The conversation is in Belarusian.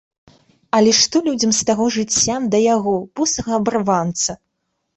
Але што людзям з таго жыцця да яго, босага абарванца?!